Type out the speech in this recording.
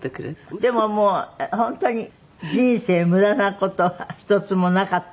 でももう本当に「人生ムダなことはひとつもなかった」